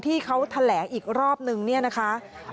ที่เขาแถลอีกรอบหนึ่งนะคะ